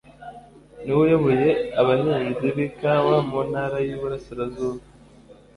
niwe uyoboye abahinzi bikawa mu ntara y’iburasirazuba